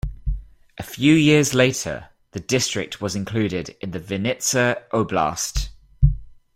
A few years later, the district was included in the Vinnitsa Oblast.